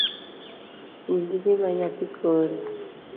Winj gima nyathii koni